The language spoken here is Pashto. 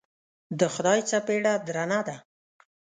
د خدای څپېړه درنه ده.